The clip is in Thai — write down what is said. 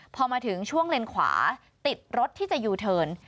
พอมาถึงช่วงเลนขวาติดรถที่จะยูเทิร์น